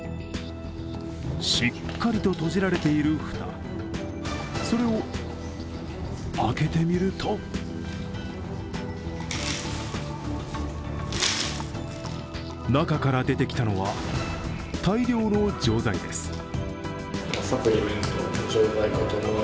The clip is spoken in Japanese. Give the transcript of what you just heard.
しっかりと閉じられている蓋、それを開けてみると中から出てきたのは大量の錠剤です。